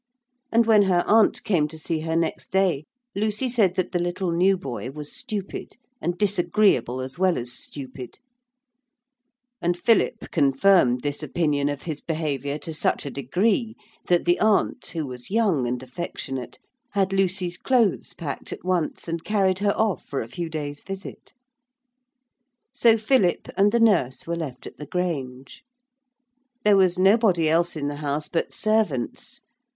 And when her aunt came to see her next day, Lucy said that the little new boy was stupid, and disagreeable as well as stupid, and Philip confirmed this opinion of his behaviour to such a degree that the aunt, who was young and affectionate, had Lucy's clothes packed at once and carried her off for a few days' visit. So Philip and the nurse were left at the Grange. There was nobody else in the house but servants.